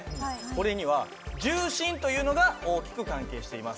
これには重心というのが大きく関係しています。